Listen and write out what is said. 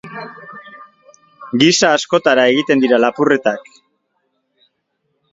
Gisa askotara egiten dira lapurretak.